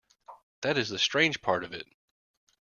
That is the strange part of it.